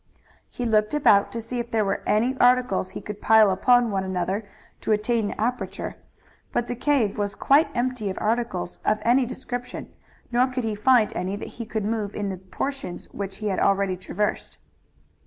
He looked about to see if there were any articles he could pile upon one another to attain the aperture. But the cave was quite empty of articles of any description, nor could he find any that he could move in the portions which he had already traversed.